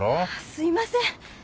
すいません。